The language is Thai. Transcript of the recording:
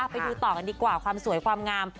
ไปดูต่อกันดีกว่าความสวยความงาม